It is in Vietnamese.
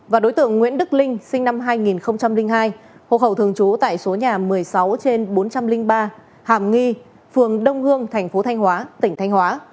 và đối tượng nguyễn đức linh sinh năm hai nghìn hai hộ khẩu thường trú tại số nhà một mươi sáu trên bốn trăm linh ba hàm nghi phường đông hương thành phố thanh hóa tỉnh thanh hóa